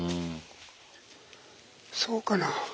そうかな